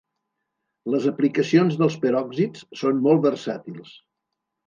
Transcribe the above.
Les aplicacions dels peròxids són molt versàtils.